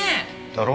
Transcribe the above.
だろ？